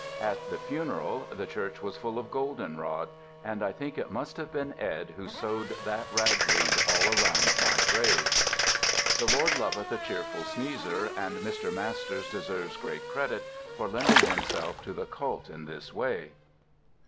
At the funeral the church was full of goldenrod, And I think it must have been Ed Who sowed that ragweed all round my grave. The Lord loveth a cheerful sneezer, and Mr. Masters deserves great credit for lending himself to the cult in this way.